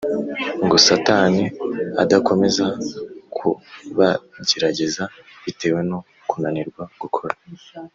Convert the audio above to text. ngo satani adakomeza kubagerageza bitewe no kunanirwa gukora